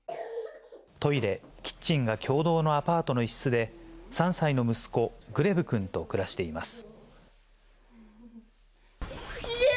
トイレ、キッチンが共同のアパートの一室で、３歳の息子、グレブくんと暮らしています。